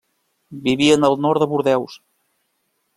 Vivien al nord de Bordeus.